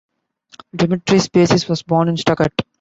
Dimitris Basis was born in Stuttgart.